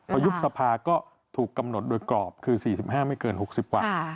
พอยุบสภาก็ถูกกำหนดโดยกรอบคือ๔๕ไม่เกิน๖๐กว่า